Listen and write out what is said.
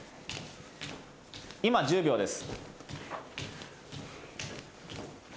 今１０秒です。